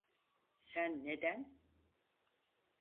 Sen neden…